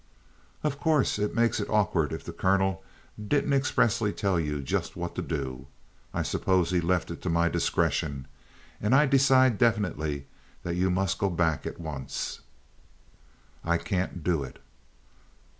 "Of course it makes it awkward if the colonel didn't expressly tell you just what to do. I suppose he left it to my discretion, and I decide definitely that you must go back at once." "I can't do it."